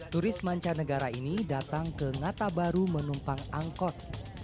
turis mancanegara ini datang ke ngata baru menumpang angkot